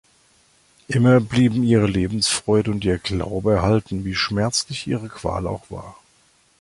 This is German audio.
Immer blieben ihre Lebensfreude und ihr Glaube erhalten, wie schmerzlich ihre Qual auch war.